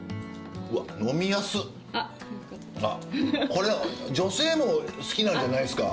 これ女性も好きなんじゃないっすか？